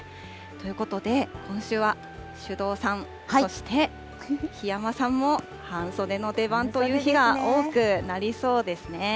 ということで、今週は首藤さん、そして檜山さんも、半袖の出番という日が多くなりそうですね。